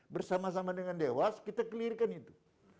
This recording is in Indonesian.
bersama sama dengan dewas kita klirkan itu